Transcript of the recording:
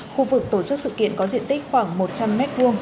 khu vực tổ chức sự kiện có diện tích khoảng một trăm linh m hai